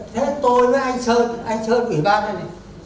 thế tôi với anh sơn anh sơn ủy ban này